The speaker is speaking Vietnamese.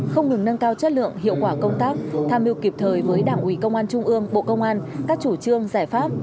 không ngừng nâng cao chất lượng hiệu quả công tác tham mưu kịp thời với đảng ủy công an trung ương bộ công an các chủ trương giải pháp